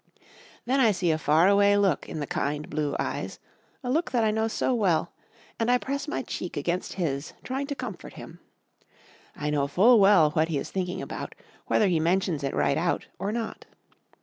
Then I see a far away look in the kind, blue eyes a look that I know so well and I press my cheek against his, trying to comfort him. I know full well what he is thinking about, whether he mentions it right out or not.